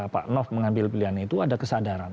pak nof mengambil pilihan itu ada kesadaran